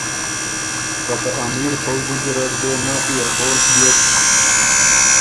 خه ته امیر پؤځی ګیرډ دې نۀ ائرفورس بیوک